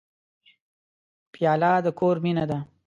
پیاله د کور مینه ده.